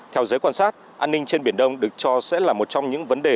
theo giới quan sát an ninh trên biển đông được cho sẽ là một trong những vấn đề